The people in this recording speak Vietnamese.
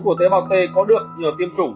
của tế bào t có được nhờ tiêm chủng